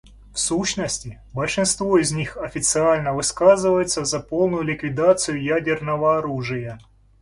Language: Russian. В сущности, большинство из них официально высказываются за полную ликвидацию ядерного оружия.